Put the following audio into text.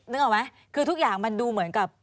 นึกออกไหมคือทุกอย่างมันดูเหมือนกับ